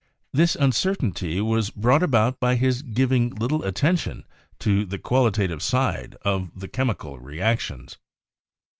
This uncertainty was brought about by his giving little atten tion to the qualitative side of the chemical reactions.